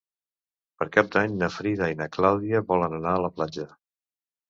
Per Cap d'Any na Frida i na Clàudia volen anar a la platja.